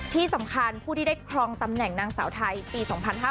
ที่สำคัญผู้ที่ได้ครองตำแหน่งนางสาวไทยปี๒๕๕๙